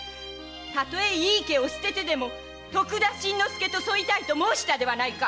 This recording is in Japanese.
たとえ井伊家を捨ててでも徳田新之助と添いたいと申したではないか！